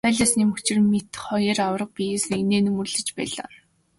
Хайлаасны мөчир мэт хоёр аварга биес нэгнээ нөмөрлөж байлаа.